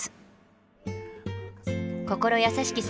心優しき